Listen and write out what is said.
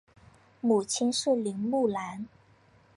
母亲是林慕兰。